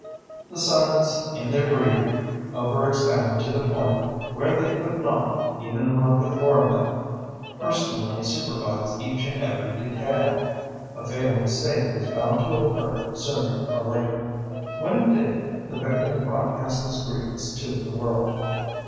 The sons, in their greed, over expanded to the point where they could not, even among the four of them, personally supervise each and every detail. A fatal mistake was bound to occur sooner or later. When it did, the victim broadcast his grievance to the world.